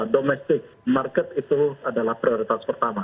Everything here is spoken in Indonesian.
domestic market itu adalah prioritas pertama